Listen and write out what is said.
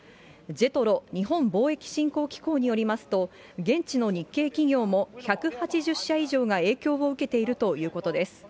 ＪＥＴＲＯ・日本貿易振興機構によりますと、現地の日系企業も１８０社以上が影響を受けているということです。